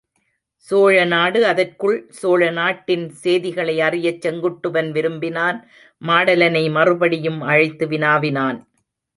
சோழ நாடு அதற்குள் சோழ நாட்டின் சேதிகளை அறியச் செங் குட்டுவன் விரும்பினான் மாடலனை மறுபடியும் அழைத்து வினாவினான்.